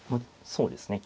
そうですね。